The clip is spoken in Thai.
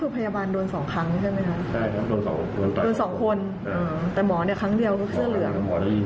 เป็น๒คนแต่หมอเนี่ยครั้งเดียวเขาที่เสื้อเหลือง